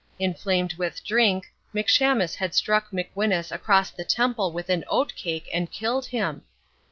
Inflamed with drink, McShamus had struck McWhinus across the temple with an oatcake and killed him.